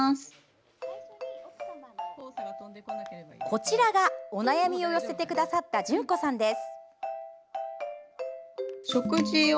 こちらが、お悩みを寄せてくださった淳子さんです。